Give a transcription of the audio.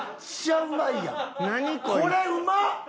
これうまっ！